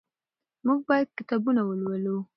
موږ باید کتابونه ولولو.